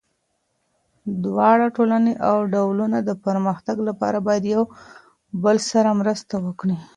دواړه ټولني او ډلونه د پرمختګ لپاره باید یو بل سره مرسته وکړي.